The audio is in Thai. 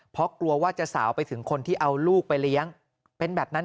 เพราะกลัวว่าจะสาวไปถึงคนที่เอาลูกไปเลี้ยงเป็นแบบนั้น